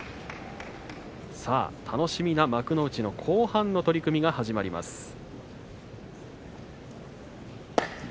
楽しみな幕内後半の取組が始まります。